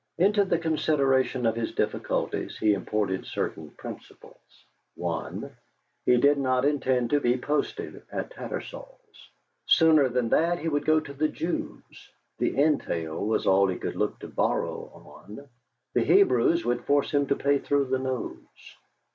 Into the consideration of his difficulties he imported certain principles: (1) He did not intend to be posted at Tattersalls. Sooner than that he would go to the Jews; the entail was all he could look to borrow on; the Hebrews would force him to pay through the nose.